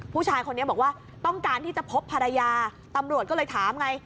ผู้ชายคนนี้บอกว่าต้องการที่จะพบภรรยาตำรวจก็เลยถามไง